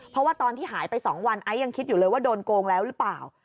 เพราะว่าตอนที่หายไป๒วันไอซ์ยังคิดอยู่เลยว่าโดนโกงแล้วหรือเปล่า